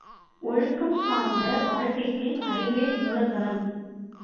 ஒழுக்கம் சார்ந்த வாழ்க்கைக்கு அறிவே மூலதனம்.